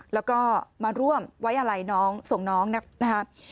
แล้วก็มาร่วมไว้อะไรน้องส่งน้องนะครับ